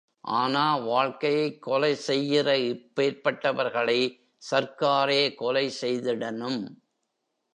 ஆனா, வாழ்க்கையைக் கொலை செய்யிற இப்பேர்ப்பட்டவர்களை சர்க்காரே கொலை செய்திடனும்.